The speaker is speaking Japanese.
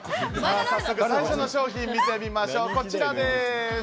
早速、最初の商品を見てみましょう、こちらです。